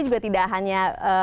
juga tidak hanya